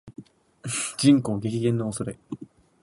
人口激減の恐れ